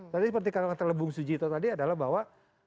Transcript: tadi seperti kata kata bung sujito tadi adalah bahwa